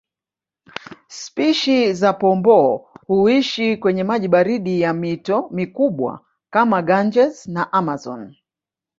Spishi za Pomboo huishi kwenye maji baridi ya mito mikubwa kama Ganges na Amazones